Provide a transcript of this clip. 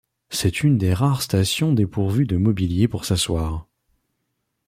C'est une des rares stations dépourvues de mobilier pour s'asseoir.